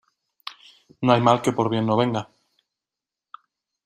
No hay mal que por bien no venga.